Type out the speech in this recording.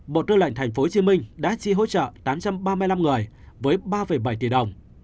bộ tư lệnh tp hcm đã chi hỗ trợ tám trăm ba mươi năm người với ba bảy tỷ đồng